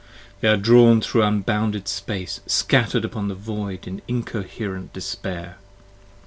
they are drawn thro' unbounded space, scatter'd upon The Void in incoher(er)ent despair!